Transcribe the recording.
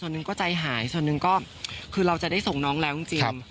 หนึ่งก็ใจหายส่วนหนึ่งก็คือเราจะได้ส่งน้องแล้วจริง